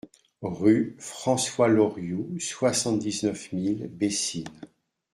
Rue François Lorioux, soixante-dix-neuf mille Bessines